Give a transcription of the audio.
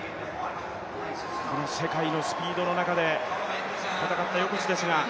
この世界のスピードの中で戦った横地ですが。